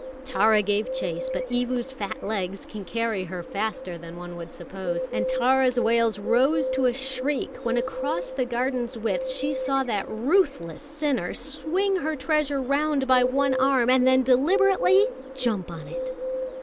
Tara gave chase; but Evu's fat legs can carry her faster than one would suppose, and Tara's wails rose to a shriek when across half the garden's width she saw that ruthless sinner swing her treasure round by one arm and then deliberately jump on it.